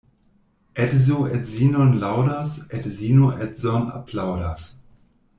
Edzo edzinon laŭdas, edzino edzon aplaŭdas.